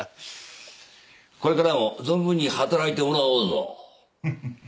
これからも存分に働いてもらおうぞ